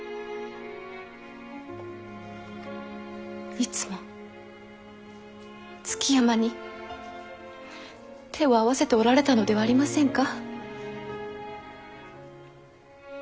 いつも築山に手を合わせておられたのではありませんか？